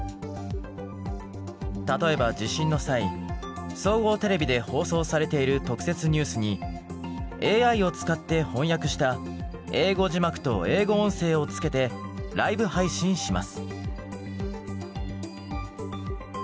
例えば地震の際総合テレビで放送されている特設ニュースにＡＩを使って翻訳した英語字幕と英語音声を付けてライブ配信します。